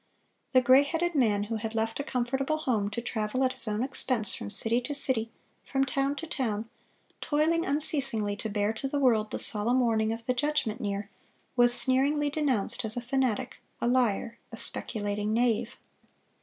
The gray headed man who had left a comfortable home to travel at his own expense from city to city, from town to town, toiling unceasingly to bear to the world the solemn warning of the judgment near, was sneeringly denounced as a fanatic, a liar, a speculating knave.